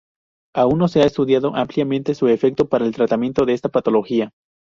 Aún no se ha estudiado ampliamente su efecto para el tratamiento de esta patología.